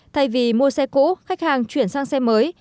thay vì mua xe cũ khách hàng chuyển sang xe mới